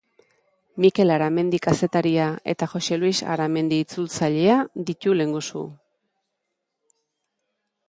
Mikel Aramendi kazetaria eta Joxe Luis Aramendi itzultzailea ditu lehengusu.